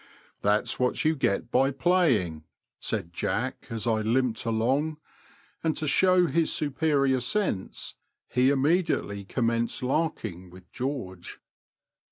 " That's what you get by playing," said Jack, as I limped along ; and to show his superior sense, he immediately com menced larking with George.